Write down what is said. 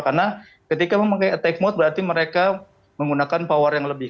karena ketika memakai attack mode berarti mereka menggunakan power yang lebih